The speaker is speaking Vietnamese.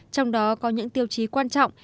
trong đó có những tiêu chí quan trọng